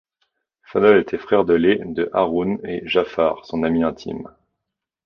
Fadhl était frère de lait de Hârûn et Ja`far son ami intime.